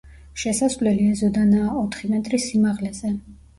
შესასვლელი ეზოდანაა ოთხი მეტრის სიმაღლეზე.